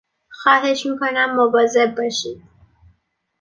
خواهش میکنم مواظب باشید!